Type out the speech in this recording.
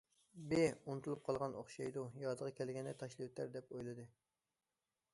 ب:« ئۇنتۇپ قالغان ئوخشايدۇ، يادىغا كەلگەندە تاشلىۋېتەر» دەپ ئويلىدى.